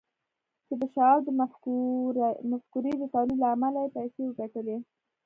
چې د شواب د مفکورې د توليد له امله يې پيسې وګټلې.